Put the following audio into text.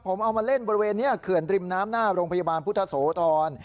ผมเอามาเล่นบริเวณนี้เขื่อนริมน้ำหน้าโรงพยาบาลพุทธโสธร